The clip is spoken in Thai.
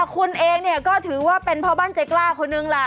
คุณเองเนี่ยก็ถือว่าเป็นพ่อบ้านใจกล้าคนนึงล่ะ